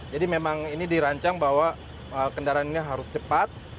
jadi memang ini dirancang bahwa kendaraan ini harus cepat